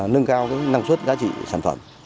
nâng cao năng suất giá trị sản phẩm